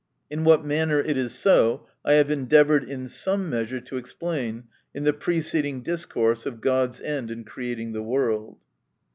[In what manner it is so, I have endeavoured in some measure to explain in the preceding discourse of God's end in creating the World.